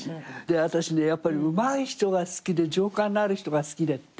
私ねやっぱりうまい人が好きで情感のある人が好きで。